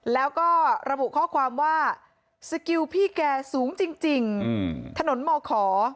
แล้วก็ระบุข้อความว่าสกิลพี่แกสูงจริงถนนมขอ